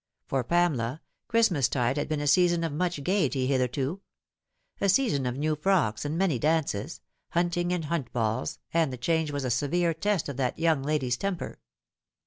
For Pamela, Christmastide had been a season of much gaiety hitherto a season of new frocks and many dances, hunting and hunt balls, and the change was a severe test of that young lady's temper.